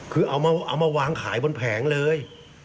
คือเอามาวางขายบนแผงเลย